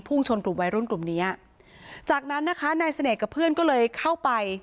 ชนกลุ่มวัยรุ่นกลุ่มเนี้ยจากนั้นนะคะนายเสน่ห์กับเพื่อนก็เลยเข้าไป